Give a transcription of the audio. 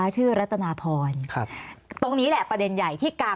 เพราะถ้าเข้าไปอ่านมันจะสนุกมาก